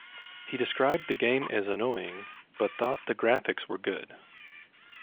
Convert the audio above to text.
He described the game as annoying, but thought the graphics were good.